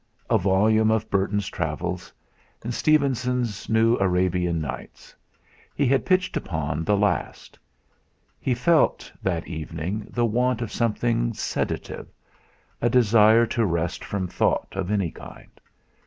a volume of Burton's travels, and Stevenson's "New Arabian Nights," he had pitched upon the last. He felt, that evening, the want of something sedative, a desire to rest from thought of any kind.